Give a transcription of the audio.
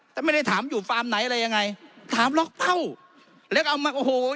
แต่ไม่ได้ถามอยู่ฟาร์มไหนอะไรยังไงถามล็อกเป้าแล้วก็เอามาโอ้โห